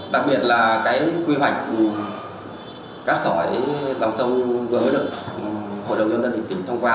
đặc biệt là cái quy hoạch của cát sỏi bằng sông vừa mới được hội đồng nhân dân tỉnh tìm thông qua